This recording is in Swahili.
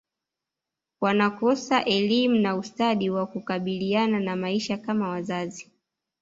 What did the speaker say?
wanakosa elimu na ustadi wa kukabiliana na maisha kama wazazi